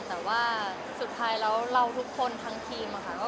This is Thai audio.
แต่ว่าสุดท้ายแล้วเราทุกคนทั้งทีมค่ะ